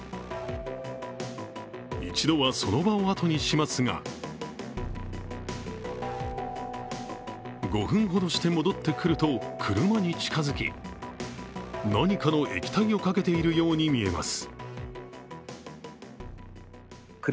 一度はその場を後にしますが５分ほどして戻ってくると車に近づき、何かの液体をかけているように見えます。